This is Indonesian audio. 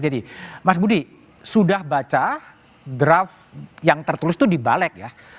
jadi mas budi sudah baca draft yang tertulis itu di balek ya